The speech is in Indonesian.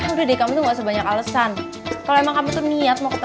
udah deh kamu tuh gak sebanyak alesan kalau emang kamu tuh bisa berbicara sama aku aja